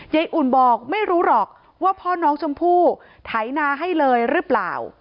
อุ่นบอกไม่รู้หรอกว่าพ่อน้องชมพู่ไถนาให้เลยหรือเปล่า